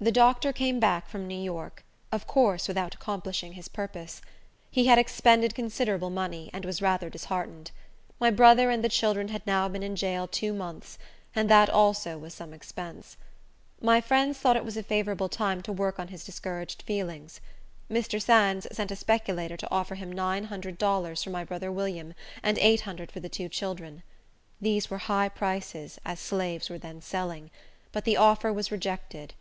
The Doctor came back from New York, of course without accomplishing his purpose. He had expended considerable money, and was rather disheartened. My brother and the children had now been in jail two months, and that also was some expense. My friends thought it was a favorable time to work on his discouraged feelings. Mr. Sands sent a speculator to offer him nine hundred dollars for my brother William, and eight hundred for the two children. These were high prices, as slaves were then selling; but the offer was rejected.